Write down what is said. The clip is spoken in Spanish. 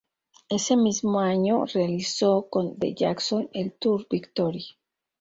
Ese mismo año realizó con The Jacksons el tour "Victory".